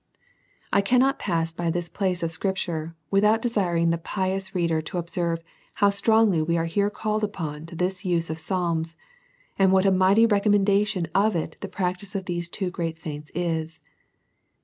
I cannot pass by tliis place of scripture, without de siring the pious reader to observe how strongly Ave are here called upon to this use of psalms, and what a o 4 200 A SERIOUS CALL TO A mighty recommendation of it, the practise of these two great saints is.